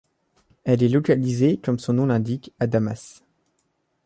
Elle est localisée comme son nom l'indique à Damas.